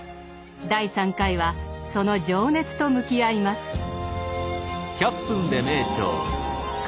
第３回はその情熱と向き合います。